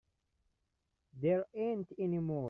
There ain't any more.